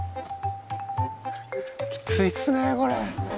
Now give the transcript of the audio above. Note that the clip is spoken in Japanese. きついっすねこれ。